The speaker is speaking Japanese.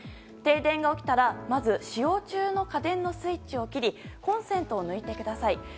停電が起きたら、まず使用中の家電のスイッチを切りコンセントを抜いてください。